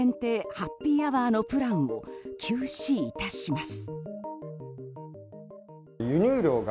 ハッピーアワーのプランを休止致します。